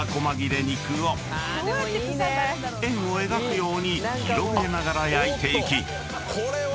［円を描くように広げながら焼いていき］